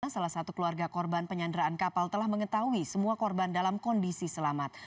salah satu keluarga korban penyanderaan kapal telah mengetahui semua korban dalam kondisi selamat